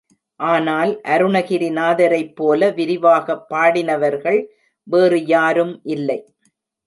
ஆனால் அருணகிரிநாதரைப் போல விரிவாகப் பாடினவர்கள் வேறு யாரும் இல்லை.